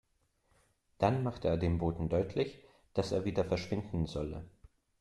Dann machte er dem Boten deutlich, dass er wieder verschwinden solle.